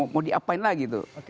mau diapain lagi itu